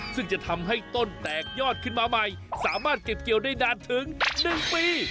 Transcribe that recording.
ซึ่งจะทำให้ต้นแตกยอดขึ้นมาใหม่สามารถเก็บเกี่ยวได้นานถึง๑ปี